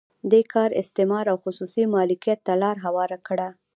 دې کار استثمار او خصوصي مالکیت ته لار هواره کړه.